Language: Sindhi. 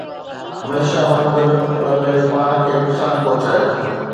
هميشه وانگر، هن پنهنجو پاڻ کي نقصان پهچايو.